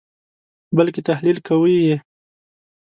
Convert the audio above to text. بلکې تحلیل کوئ یې.